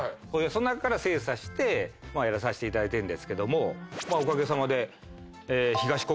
その中から精査してやらせていただいてるんですけどおかげさまで。